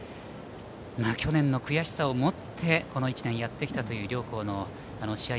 去年の悔しさを持ってこの１年やってきたという両校の試合